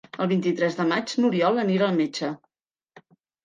El vint-i-tres de maig n'Oriol anirà al metge.